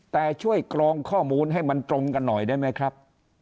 แต่ช่วยกรองข้อมูลให้มันตรงกันหน่อยได้ไหมครับ